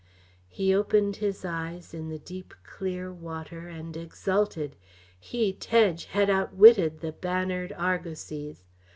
He opened his eyes in the deep, clear water and exulted. He, Tedge, had outwitted the bannered argosies.